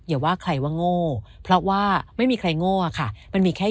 อย่าว่าใครว่าโง่เพราะว่าไม่มีใครโง่ค่ะมันมีแค่